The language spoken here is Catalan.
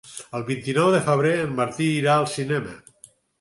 El vint-i-nou de febrer en Martí irà al cinema.